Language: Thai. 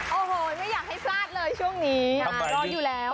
โอ้โหไม่อยากให้พลาดเลยช่วงนี้รออยู่แล้ว